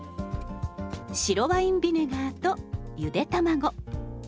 白ワインビネガーとゆで卵。